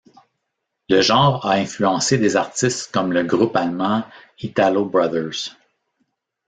Le genre a influencé des artistes comme le groupe allemand ItaloBrothers.